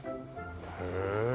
へえ。